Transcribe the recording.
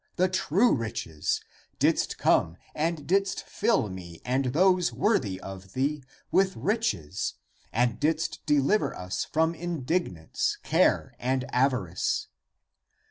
344 THE APOCRYPHAL ACTS true riches, didst come and didst fill me and those worthy of thee with riches and didst deliver us from indigence, care and avarice.